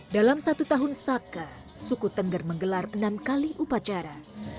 dalam satu tahun saka suku tengger menggelar enam kali upacara